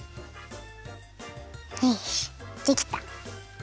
よしできた。